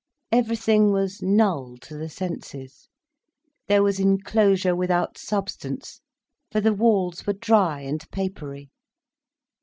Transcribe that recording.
Everything was null to the senses, there was enclosure without substance, for the walls were dry and papery.